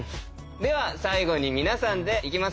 では最後に皆さんでいきますよ。